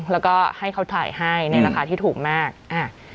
แล้วก็ให้เขาถ่ายให้ในราคาที่ถูกมากอ่า